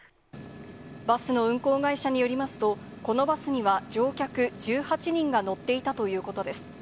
バスの運行会社によりますと、このバスには、乗客１８人が乗っていたということです。